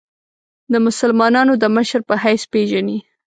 د مسلمانانو د مشر په حیث پېژني.